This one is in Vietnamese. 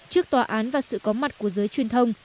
trước tòa án và sự có mặt của giới truyền thông